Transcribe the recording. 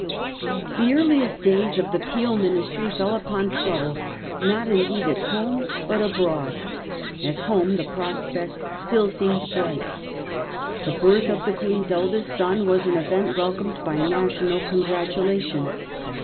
The earliest days of the Peel Ministry fell upon trouble, not indeed at home, but abroad. At home the prospect still seemed bright. The birth of the Queen's eldest son was an event welcomed by national congratulation.